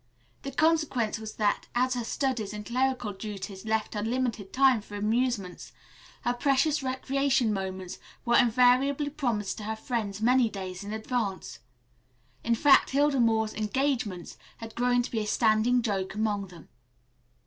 The consequence was that, as her studies and clerical duties left her limited time for amusements, her precious recreation moments were invariably promised to her friends many days in advance. In fact Hilda Moore's "engagements" had grown to be a standing joke among them.